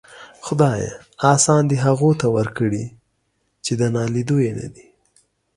خداىه! آسان دي هغو ته ورکړي چې د ناليدو يې ندې.